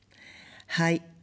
はい。